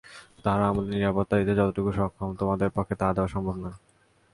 তারা আমাদের নিরাপত্তা দিতে যতটুকু সক্ষম, তোমাদের পক্ষে তা দেয়া সম্ভব নয়।